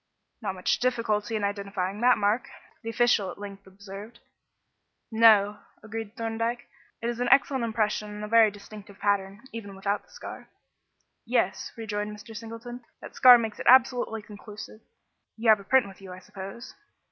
"Not much difficulty in identifying that mark," the official at length observed. "No," agreed Thorndyke; "it is an excellent impression and a very distinctive pattern, even without the scar." "Yes," rejoined Mr. Singleton; "the scar makes it absolutely conclusive. You have a print with you, I suppose?"